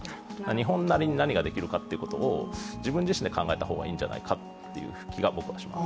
日本なりに何ができるのかということを自分自身で考えた方がいいんじゃないという気がします。